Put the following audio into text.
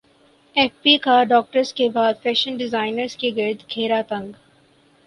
F B کا doctors کے بعد فیشن ڈیزائنرز کے گرد گھیرا تنگ